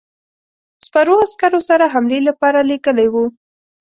سپرو عسکرو سره حملې لپاره لېږلی وو.